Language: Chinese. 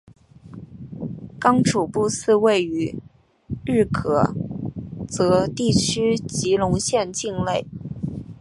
刚楚布寺位于日喀则地区吉隆县境内。